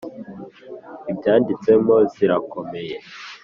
ibyanditsemo zirakomeye